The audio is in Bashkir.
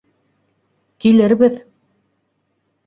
Килербеҙ!